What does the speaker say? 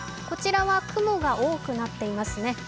こちらは雲が多くなっていますね。